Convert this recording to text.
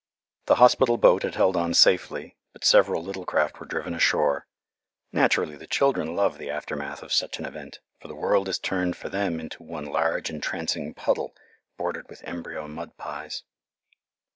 The hospital boat had held on safely, but several little craft were driven ashore. Naturally the children love the aftermath of such an event, for the world is turned for them into one large, entrancing puddle, bordered with embryo mud pies.